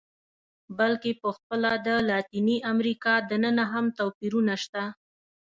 بلکې په خپله د لاتینې امریکا دننه هم توپیرونه شته.